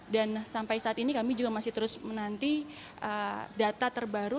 dan sampai saat ini kami juga masih terus menanti data terbaru